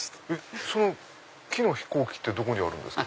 その木の飛行機ってどこにあるんですか？